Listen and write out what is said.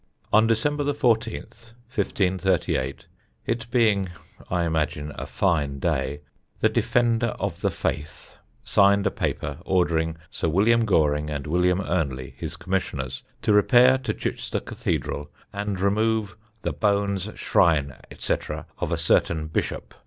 On December 14th, 1538, it being, I imagine, a fine day, the Defender of the Faith signed a paper ordering Sir William Goring and William Ernely, his Commissioners, to repair to Chichester Cathedral and remove "the bones, shrine, &c., of a certain Bishop